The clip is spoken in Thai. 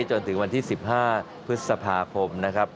จนถึงวันที่๑๕พฤษภาคมนะครับ